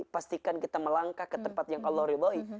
pastikan kita melangkah ke tempat yang allah ridhoi